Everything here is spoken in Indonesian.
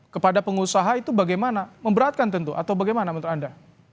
kepada pengusaha itu bagaimana memberatkan tentu atau bagaimana menurut anda